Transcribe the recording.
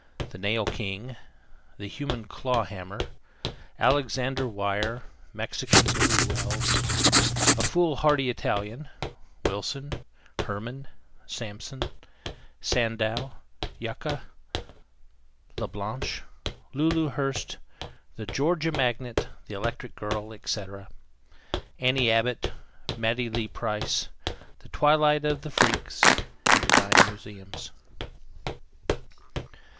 THE NAIL KING, THE HUMAN CLAW HAMMER; ALEXANDER WEYER; MEXICAN BILLY WELLS; A FOOLHARDY ITALIAN; WILSON; HERMAN; SAMPSON; SANDOW; YUCCA; LA BLANCHE; LULU HURST. THE GEORGIA MAGNET, THE ELECTRIC GIRL, ETC.; ANNIE ABBOTT; MATTIE LEE PRICE. THE TWILIGHT OF THE FREAKS. THE DIME MUSEUMS.